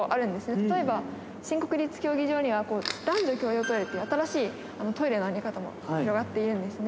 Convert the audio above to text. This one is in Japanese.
例えば、新国立競技場には男女共用トイレって新しいトイレの在り方も広がってるんですね。